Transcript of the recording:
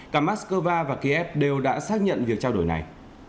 cả moscow và kiev đều đã xác nhận việc trao đổi này